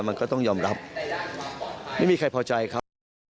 มันก็ต้องยอมรับไม่มีใครพอใจครับ